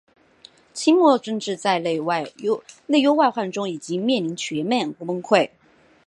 清末政治在内忧外患中已经面临全面崩溃。